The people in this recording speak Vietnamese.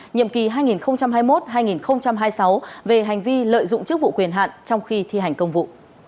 nhiệm kỳ hai nghìn hai mươi một hai nghìn hai mươi sáu về hành vi lợi dụng chức vụ quyền hạn trong khi thi hành công vụ